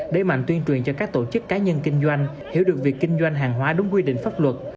để mạnh tuyên truyền cho các tổ chức cá nhân kinh doanh hiểu được việc kinh doanh hàng hóa đúng quy định pháp luật